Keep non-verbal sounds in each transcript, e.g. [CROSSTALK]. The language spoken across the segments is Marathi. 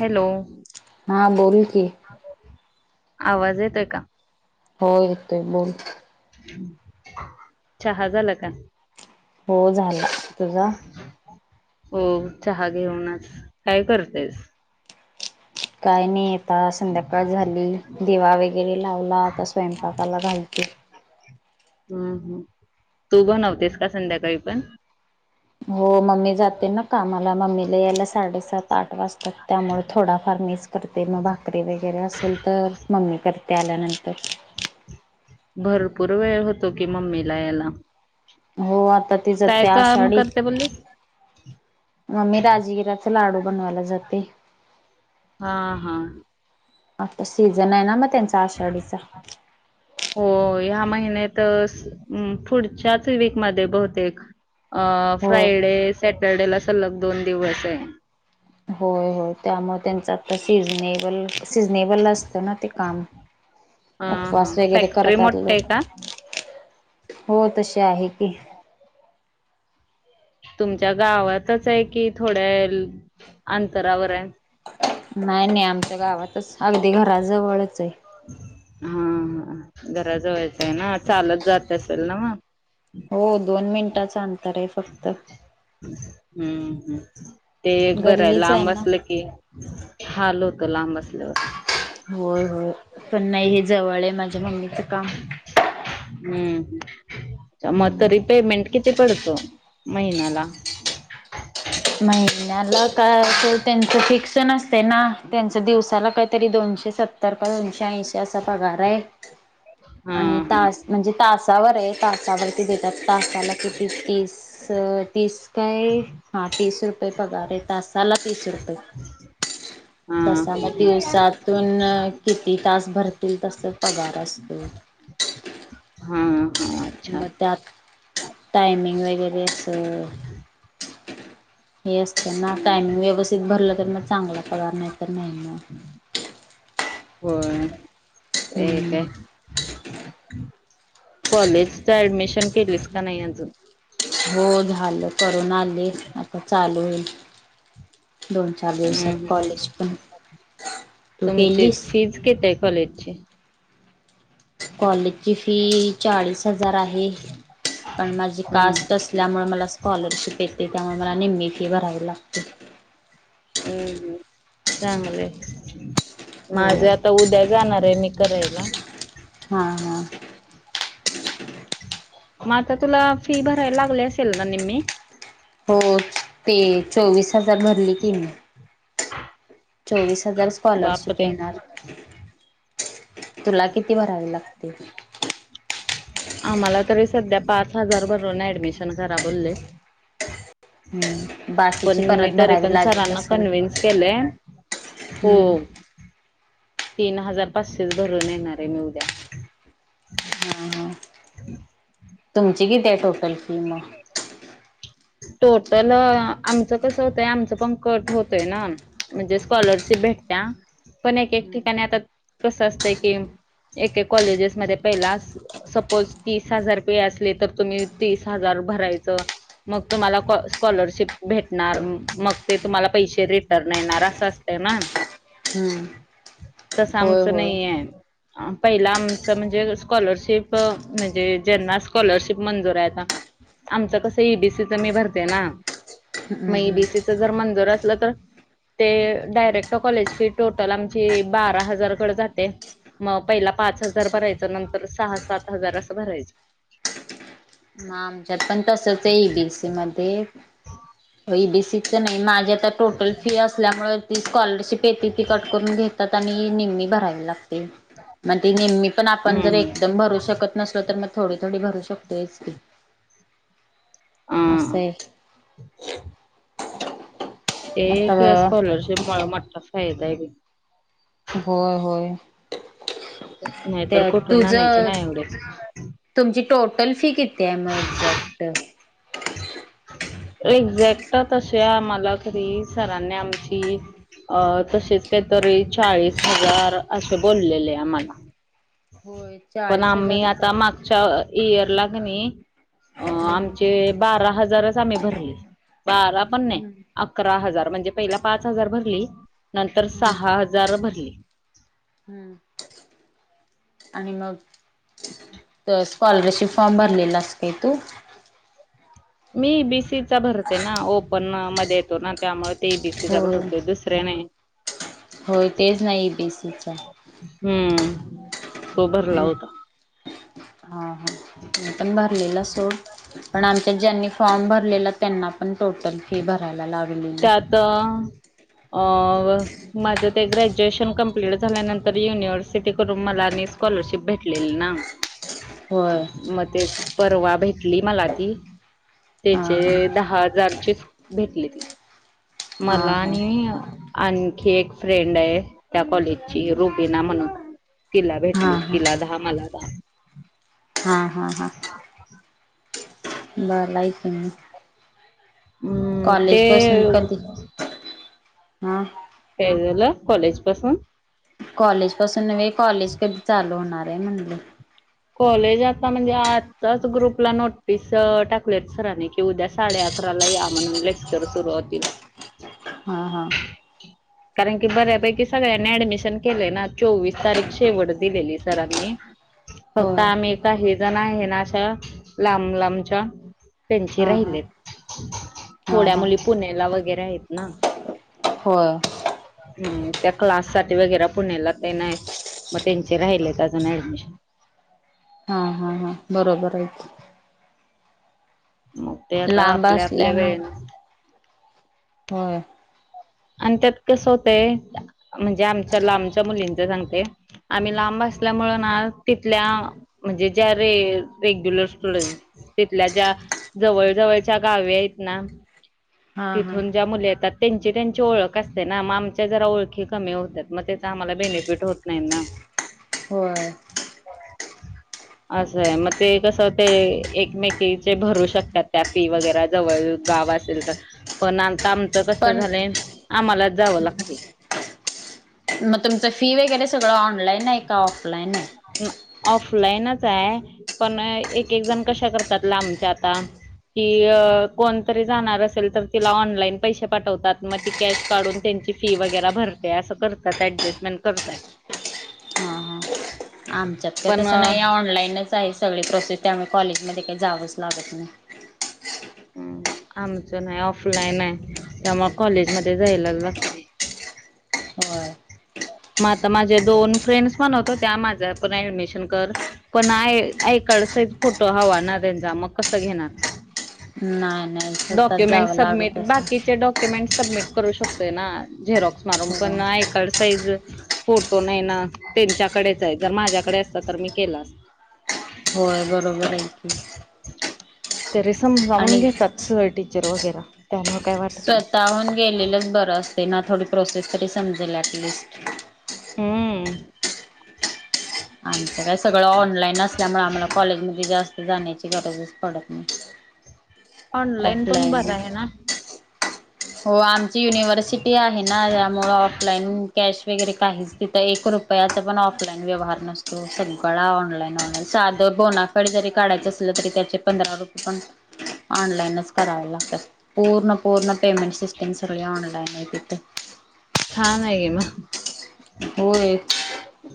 हॅलो. हा बोल की. आवाज येतय का. हो येतोय बोल. चहा झाला का. हो झाला. तुझा हो चहा घेऊनच काय करतेस. काय नाही येता संध्याकाळ झाली दिवा वगैरे लावला आता स्वयंपाकाला घालते. हम् हम तू बनवतेस का संध्याकाळी पण. हो मम्मी जाते ना कामाला मम्मीला यायला साडेसात आठ वाजतात त्यामुळे थोडाफार मिच. करते मग भाकरी वगैरे असेल तर मम्मी करते आल्यानंतर. भरपूर वेळ होतो की मम्मीला यायला. हो आता तिचं त्या काम शाडी. करते बोललीस मग मी राजगिराचे लाडू बनवायला जाते. हा हा. आता सीझन आहे ना मग त्यांचा आषाढीचा. हो ह्या महिन्यात पुढच्याच वीकमध्येध्ये बहुतेक. अ होय फ्रायडे सॅटरडे ला सलग दोन दिवस आहे. होय होय त्यामुळे त्यांचं आता सीझनेबल सिझनेबल असतं ना ते काम. ह हा उपवास वगैरे फॅक्टरी करतात मोठे लोक आहे का हो तसे आहे की. हो. तुमच्या गावातच आहे की थोड्या अंतरावर आहे नाही नाही आमच्या गावातच अगदी घराजवळच आहे हा हा घराज व्हायचं आहे ना चालत जात असेल ना मग हो दोन मिनिटाचं अंतर आहे फक्त हम्म हम् ते एक बर आहे गल्लीच लांब ना. असलं की हालोत लांब असल्यावर होय होय पण नाही हे जवळ आहे माझ्या मम्मीचं काम हम्म मग तर रिपेमेंट किती पडतो महिन्याला महिन्याला का त्यांचं फिक्स नसते ना त्यांचं दिवसाला काहीतरी दोनशे सत्तर तर दोनशऐंशी असा पगार आहे हा आणि तास म्हणजे तासावर आहे तासावरती देतात तासाला किती तीस स तीस काय हा तीस रुपये पगार आहेतासाला तीस रुपये हा तसा हा मग दिवसात तून किती तास भरतील तस पगार असतो हा. हा अच्छा मग त्यात टायमिंग वगैरे अस. हे असतं ना कायमिंग व्यवस्थित भरलं तर मग चांगला पगार नाही तर नाही ना.. हो ते हम्म आहे. कॉलेज ऍडमिशन केलीस का नाही अजून. हो झालं करून आली आता चालू येईल दोन चार दिवसात हम्म हम्म कॉलेज पण तू केलीस केत आहे कॉलेजचे कॉलेजची फी चाळीस हजार आहे पण माझी हम्म कास्टस त्यामुळे मला स्कॉलरशिप येते त्यामुळे मला नेम ए फी भरायला लागते हम्म हम् चांगलं हो. माझ्या आता उद्या जाणार आहे मी कय का हा हा मग आता तुला फी भरायला लागली असेल ना नेममी हो ते चोवीस हजार भरले की मी [INAUDIBLE] चोवीस हजार स्कॉलरशिप बापरे! येणार तुला किती भरावे लागते आम्हाला तरी सध्या पाच हजार भर ऍडमिशन करा बोलले हम्म पण बाकीची मी परत तरी भरावी पण लागत सरांना असेल कन्व्हन्स केले हो हम्म तीन हजार पाचशेच भरून येणार आहे मी उद्या हां हां तुमची किती आहे टोटल फी मग [INAUDIBLE] टोटल आमचं कसं होतंय आमचं पंकट होतय ना म्हणजे स्कॉलरशिप भेटत पण एक एक ठिकाणी आता कसं असतंय की एके कॉलेजेसमध्येध्ये पहिला सपोज तीस हजार पे असले तर तुम्ही तीस हजार भरायचं मग तुम्हाला स्कॉलरशिप भेटणार मग ते तुम्हाला पैसे रिटर्न येणार असं असतं ना हम्म तसं होय आमचं होय नाही आहे पहिला आमचं म्हणजे स्कॉलरशिप म्हणजे जनना स्कॉलरशिप मंजूर आहे आता आमचं कसं ईबीसीच मी भरते ना हम्म मग हम्म. बीसीच जर मंदर असलं तर ते डायरेक्ट कॉलेज फी टोटल आमची बारा हजार मग पहिला पाच हजार भरायचं नंतर सहा सात हजार असं भरायचं म आमच्यात नाही माझी आता टोटल फी असल्यामुळे ती स्कॉलरशिप येते ती कट करून घेत तर आता निम्मी भरायला लागते. मग ती निम्मी पण आपण जर हम्म एकदम भरू शकत नसलो तर मग थोडी थोडी भरू शकतो हेच की अस अ ते स्कॉलरशिप मोठा फायदा आहे ब होय होय नाहीतर ते कुठून आणायचे तुझं नाही एवढे तुमची टोटल फी किती आहे मग एक्झॅक्ट एक्झॅक्ट तस आहे आम्हाला खरी सरांनी आमची अ तसेच काहीतरी चाळीस हजार असे बोललेले आम्हाला होय पण चाळीस आम्ही हजारच आता आहे माग इयर ला कन हम्म आमचे बारा हजारच आम्ही भरली बारा पण नाही हम्म अकरा हजार म्हणजे पहिला पाच हजार भरली नंतर सहा हजार भरली हम् आणि मग स्कॉलरशिप फारम बरलेला असकेत मी ईबीसी चा भरते ना ओपन मध्ये येतो ना त्यामुळे ते ईबीसी चा होय भरतो दुस त्रेणे होय तेच नाही ईबीसीचा. हम्म तो भरला होता. ह हा म पण बर सोड पण आमच्या ज्यांनी फॉर्म भरलेला त्यांना पण टोटल फी भरायला लागलेली. तर अ माझं ते ग्रॅज्युएशन कम्प्लीट झाल्यानंतर युनिव्हर्सिटी करून मला आणि स्कॉलरशिप भेट भटले ना होय मग ते परवा भेटली मला ती. हा त्याचे दहा हजारचीच भेटली त हा हा मला हा आणि आणखी एक फ्रेंड आहे त्या कॉलेजची रुबीना म्हणून तिला हा भेटली हा तिला दहा मला दहा हा हा हा हम्म कॉलेजपासून ते कधी हम्म काय झालं कॉलेज पासून कॉलेज पासून नव्हे कॉलेज कधी चालू होणार आहे म्हणलं कॉलेजला म्हणजे आताच ग्रुपला नोटीस टाकलेत सरानी उद्या साडे अकराला या म्हणून लेक्चर सुरू होतील. हा हा ह कारण की बऱ्यापैकी सगळ्यांनी ऍडमिशन केले ना चोवीस तारीख शेवट दिलेली सरांनी फक्त होय आम्ही काही जण आहे ना अशा लांब लांबच्या त्यांचे हा हा राहिलेत हा थोड्या हा मुली पुण्याला वगैरे आहेत ना. होय हम्म त्या क्लास साठी वगैरे पुण्याला ते नाही मग त्यांचे राहिलेत अजून ऍडमिशन हा हा हा बरोबर आहे मग ते की आता लांब आपल्या आपल्या वेळे ना हम्म आणि त्यात कसं होतंय म्हणजे आमच्याला आमच्या मुलींच सांगते -आम्ही लांब असल्यामुं आ तिथल्या म्हणजे ज्या रे रेग्युलर स्कूल तिथल्या ज्या जवळ जवळच्या गाव आहेत ना हा हा तिथून ज्या मुले येतात त्यांची त्यां ची ओळख असते ना मग आमच्या जरा ओळखी कमी होतात मग त्याचा आम्हाला बेनिफिट होत नाही ना. होय [INAUDIBLE] असं आहे मग ते कसं ते एकमेकीचे भरू शकतात त्या फी वगैरे जवळ गावा पण आता आमचं कस पण झालं आम्हाला जावं लागते. मग तुमचं फी वगैरे सगळं ऑनलाईन आहे का ऑफलाईन आहे. ऑफलाईनच आहे पण एक एक जण कशा करतात लांबच्या आता कि कोणतरी जाणार असेल तर तिला ऑनलाईन पैसे पाठवतात मग त कॅश काढून त्यांची फी वगैरे भरते असं करतात ऍडजस्टमेंट करतात. हा हा आमच्यात का पण तसं नाही ऑनलाईनच आहे सगळे प्रोसेस त्यामुळे कॉलेजमध्येध्ये काही जावंच लागत नाही. हम आमचं नाही ऑफलाईन आहे त्यामुळे कॉलेजमध्ये जायला ला होय. म आ माझे दोन फ्रेंड्स म्हण होतो त्या माझ्या पण ऍडमिशन कर पण आहे आकडसही फोटो हवा ना त्यांचा मग कसं घेणार. नाही नाही स्वतःच डॉक्युमेंट जावं लागत सबमिट असेल. बाकीचे डॉ में सबमिट करू शकतोय ना झेरॉक्स मारून पण होय आय कार्ड साईझ फोटो नाही ना त्यांच्याकडेच आहे जर माझ्याकडे असत तर मी केलं असत होय बरोबर ये. ते रिसम जाणून घेतात स टीचर वगैरे त्या स्वतःहून गेलेलंच बरं असतयं ना थोडी प्रोसेस तरी समजेल ऍटलिस्ट हम्म आमचं काय सगळं ऑनलाईन असल्यामुळे आम्हाला कॉलेजमध्येध्ये जास्त जाण्याची गरजच पडत नाही. ऑनलाइन पण ऑफलाईन बरं आहे ना. हो आमची युनिव्हर्सिटी आहे. नाही त्यामुळे ऑफलाईन कॅश वगैरे काहीच तथं एक रुपयाचा पण ऑफलाईन व्यवहार नसतो. त सगळा ऑनलाईन ऑनलाईन साधं बोना फाइड जरी काढायचं असलं तरी त्याचे पंधरा रुपये पण ऑनलाईनच कराव लागत्यात पूर्ण पूर्ण पेमेंट सिस्टम सगळी ऑनलाईन हाय तिथं छान आहे कि म होय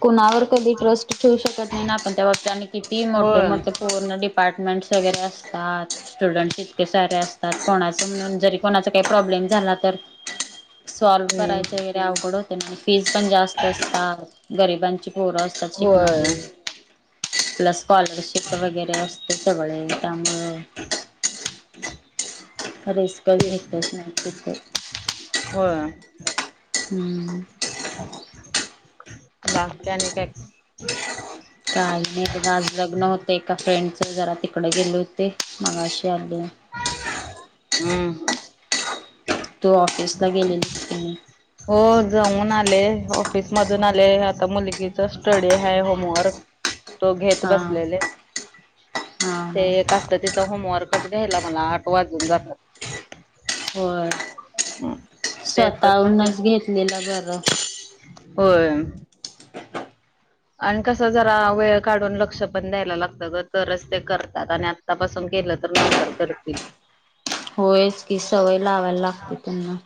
कुणावर कधी ट्रस्ट ठेवू शकत नाही आपण त्या बाबतीत आणि किती मोठे होय मोठे पूर्ण अपार्टमेंट्स वगैरे असतात. स्टुडंट इतके सारे असतात कोणाच म्हणून जरी कोणाचा काही प्रॉब्लेम झाला तर [INAUDIBLE] सॉल्व करायचे हम्म वगैरे अवघड होते फीज पण जास्त असतात गरिबांची पोरं असतात होय शिकणारे प्लस स्कॉलरशिप वगैरे असतयं सगळं त्यामुळं रिस्क घेतच नाही तिथं व्हय हम्म बा त्याने काय काही नाही बघा आज लग्न होतं एका फ्रेंडच जरा तिकडे गेले होते. मग अशी आली. हम्म तो ऑफिस ला गेले. हो जाऊन आले ऑफिसमधून आले आता मुलगीचा स्टडी हाय होमवर्क तो घेत हां बसल्याले हां ते हां एक असतं तिथं होमवर्कच घ्यायला मला आठ वाजून जातात. होय हम्म. त्याच्यात स्वतःहूनच घेतलेलं बरं होयं आणि कसं जरा वेळ काढून लक्ष पण द्यायला लागतं ग तरच ते करतात आणि आ तपासून केलं तर नंतर करतील. होयच की सवय लावायला लागते त्यांना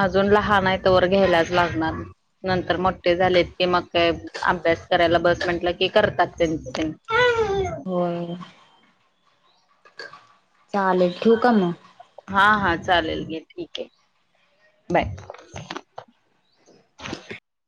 अजून लहान आहे तवर घ्यायलाच लागणार नंतर मोठे झालेत की मग काय अभ्यास करायला बस म्हटलं की करतात त्यांच त्यांनी होयं चालेल ठिवू का म हा हा चालेल गे ठीक आहे बाय